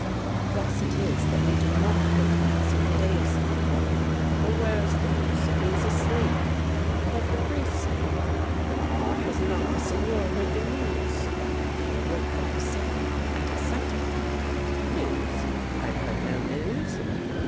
Thus it is that we do not go to mass on the day of San Giovanni, for where is the use if he be asleep? But the priests say — Ah ! has not the Signor heard the news ?" he broke off suddenly and excitedly. "News ! I have heard no news."